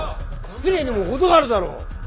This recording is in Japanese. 失礼にも程があるだろ！